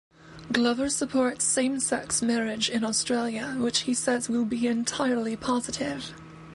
Glover supports same-sex marriage in Australia, which he says will be "entirely positive".